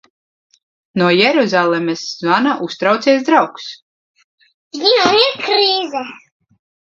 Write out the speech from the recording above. No Jeruzalemes zvana uztraucies draugs, viņam ir krīze.